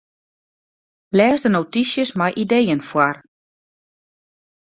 Lês de notysjes mei ideeën foar.